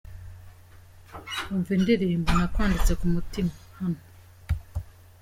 Umva indirimbo “Nakwanditse Ku Mutima” hano:.